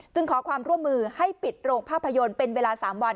ขอความร่วมมือให้ปิดโรงภาพยนตร์เป็นเวลา๓วัน